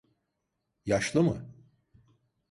Yaşlı mı?